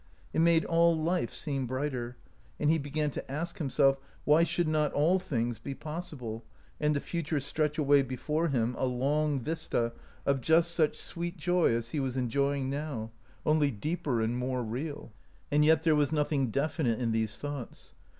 It made all life seem brighter, and he began to ask him self why should not all things be possible, and the future stretch away before him a long vista of just such sweet joy as he was enjoying now, only deeper and more real ? And yet there was nothing definite in these thoughts.